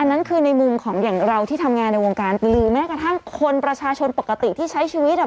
อันนั้นคือในมุมของอย่างเราที่ทำงานในวงการ